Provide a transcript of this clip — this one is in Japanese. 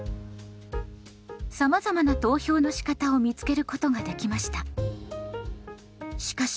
さまざまな投票のしかたを見つけることができました。